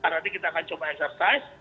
nanti kita akan coba exercise